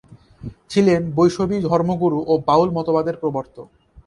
ছিলেন বৈষ্ণবী ধর্মগুরু ও বাউল মতবাদের প্রবর্তক।